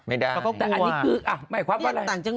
ไม่ได้แต่อันนี้คืออ่ะหมายความว่าอะไร